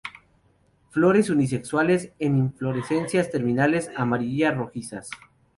Flores unisexuales, en inflorescencias terminales amarilla-rojizas.